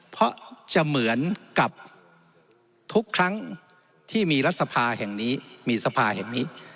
เพราะจะเหมือนกับทุกครั้งที่มีรัฐสภาแห่งนี้มีสภาแห่งนี้